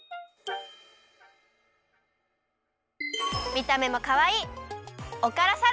みためもかわいい！